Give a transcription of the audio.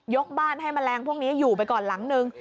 กบ้านให้แมลงพวกนี้อยู่ไปก่อนหลังนึง